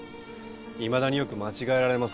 いまだによく間違えられますよ。